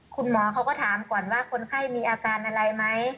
คุณหมอเขาก็ถามก่อนว่าคนไข้มีอาการอะไรไหม